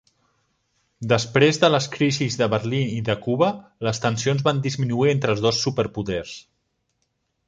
Després de les crisis de Berlín i de Cuba, les tensions van disminuir entre els dos superpoders.